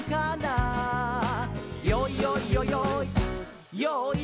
「よいよいよよい